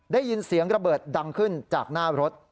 ได้ยินเสียงระเบิดดังขึ้นจากหน้ารถ